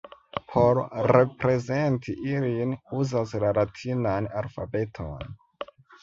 Por reprezenti ilin, uzas la latinan alfabeton.